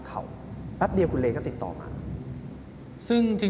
แขกเบอร์ใหญ่ของผมในวันนี้